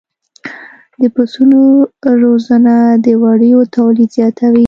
د پسونو روزنه د وړیو تولید زیاتوي.